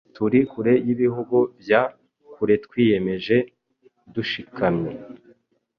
Turi kure yibihugu bya kuretwiyemeje dushikamye